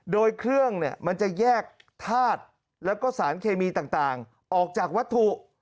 โดยเครื่องมันจะแยกธาตุแล้วก็สารเคมีต่างออกจากวัตถุ